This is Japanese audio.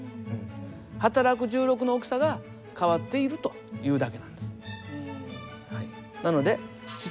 はたらく重力の大きさが変わっているというだけなんです。